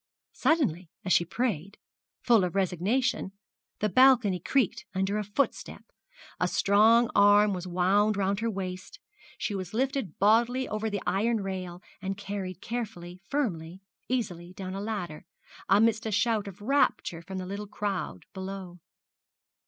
Suddenly, as she prayed, full of resignation, the balcony creaked under a footstep a strong arm was wound round her waist she was lifted bodily over the iron rail and carried carefully, firmly, easily down a ladder, amidst a shout of rapture from the little crowd below.